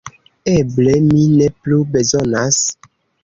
Eble mi ne plu bezonas…